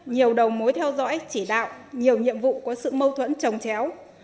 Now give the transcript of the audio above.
nhiều đầu mối theo dõi chỉ đạo nhiều nhiệm vụ có sự mâu thuẫn trồng chéo